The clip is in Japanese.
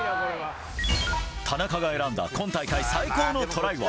田中が選んだ今大会、最高のトライは？